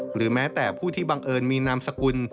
หรือแม้แต่ผู้ที่บังเอิญมีนามสกุล